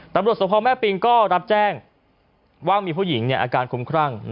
ตำรวจสภแม่ปิงก็รับแจ้งว่ามีผู้หญิงอาการคุ้มครั่ง